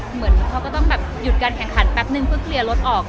เหมือนเขาก็ต้องแบบหยุดการแข่งขันแป๊บนึงเพื่อเคลียร์รถออก